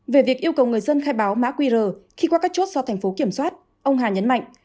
về việc yêu cầu người dân khai báo mã qr khi qua các chốt do thành phố kiểm soát ông hà nhấn mạnh